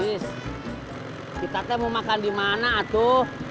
bis kita mau makan dimana tuh